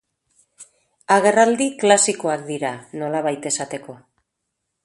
Agerraldi klasikoak dira, nolabait esateko.